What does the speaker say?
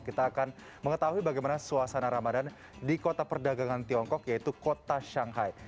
kita akan mengetahui bagaimana suasana ramadan di kota perdagangan tiongkok yaitu kota shanghai